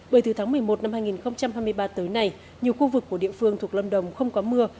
bởi từ tháng một mươi một năm hai nghìn hai mươi ba tới nay nhiều khu vực của địa phương thuộc lâm đồng không có mưa